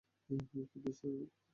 কিন্তু, স্যার।